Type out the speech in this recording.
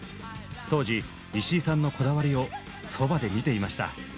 当時石井さんのこだわりをそばで見ていました。